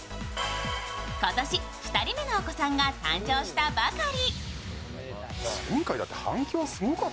今年、２人目のお子さんが誕生したばかり。